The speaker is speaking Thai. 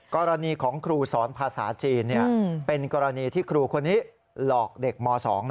กรณีของครูสอนภาษาจีนเป็นกรณีที่ครูคนนี้หลอกเด็กม๒